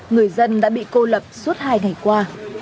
người dân đã bị cô lập suốt hai ngày qua